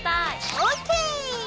ＯＫ！